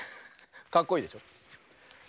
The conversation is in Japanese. かっこいいでしょ。